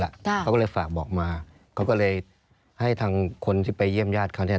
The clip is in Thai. เขาก็เลยฝากบอกมาเขาก็เลยให้ทางคนที่ไปเยี่ยมญาติเขาเนี่ย